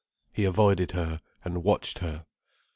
He avoided her, and watched her.